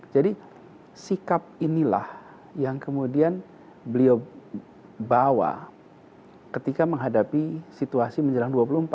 jadi sikap inilah yang kemudian beliau bawa ketika menghadapi situasi menjelang dua puluh empat